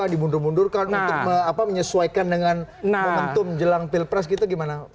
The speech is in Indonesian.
dimundur mundurkan untuk menyesuaikan dengan momentum jelang pilpres gitu gimana